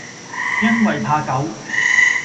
因爲怕狗，